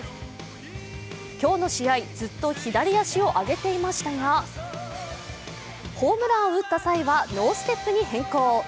今日の試合、ずっと左足を上げていましたがホームランを打った際はノーステップに変更。